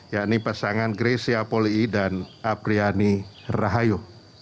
yakni pasangan grecia poli dan apriani rahayu